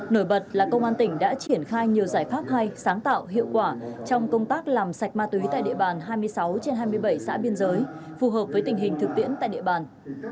nổi bật là công an tỉnh đã triển khai nhiều giải pháp hay sáng tạo hiệu quả trong công tác làm sạch ma túy tại địa bàn hai mươi sáu trên hai mươi bảy xã biên giới phù hợp với tình hình thực tiễn tại địa bàn